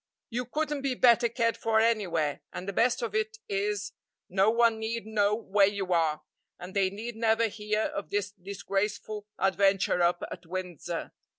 You couldn't be better cared for anywhere, and the best of it is, no one need know where you are, and they need never hear of this disgraceful adventure up at Windsor.